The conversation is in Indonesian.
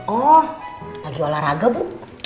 oh lagi olahraga bu